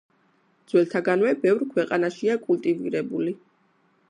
ძველთაგანვე ბევრ ქვეყანაშია კულტივირებული.